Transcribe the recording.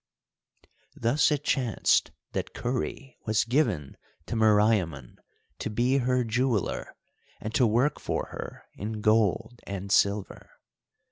Thus it chanced that Kurri was given to Meriamun to be her jeweller and to work for her in gold and silver.